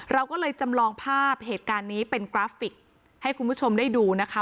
เราก็เลยจำลองภาพเหตุการณ์นี้เป็นกราฟิกให้คุณผู้ชมได้ดูนะคะ